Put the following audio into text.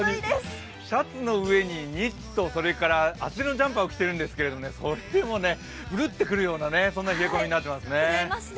シャツの上にニット、それから厚手のジャンパーを着ているんですけどそれでもぶるっとくるような冷え込みになってますね。